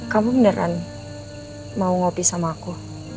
kamu beneran mau ngopi sama aku